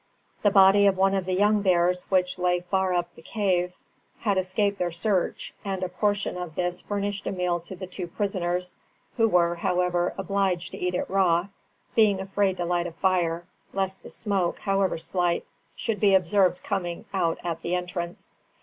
The body of one of the young bears which lay far up the cave, had escaped their search, and a portion of this furnished a meal to the two prisoners, who were, however, obliged to eat it raw, being afraid to light a fire, lest the smoke, however slight, should be observed coming out at the entrance.